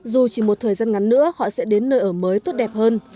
dù chỉ một thời gian ngắn nữa họ sẽ đến nơi ở mới tốt đẹp hơn